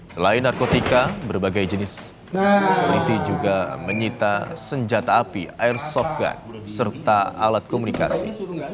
selain narkotika berbagai jenis polisi juga menyita senjata api airsoft gun serta alat komunikasi